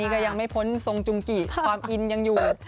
ก็ยังไม่พ้นทรงจุงกิความอินยังอยู่